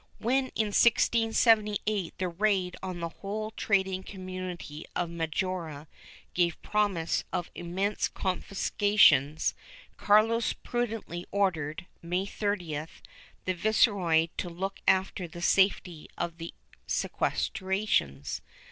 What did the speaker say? When, in 1678, the raid on the whole trading community of Majorca gave promise of immense confiscations, Carlos prudently ordered. May 30th, the viceroy to look after the safety of the sequestrations.